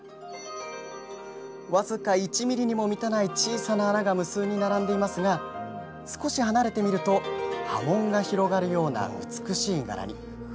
僅か１ｍｍにも満たない小さな穴が無数に並んでいますが少し離れてみると波紋が広がるような美しい柄に。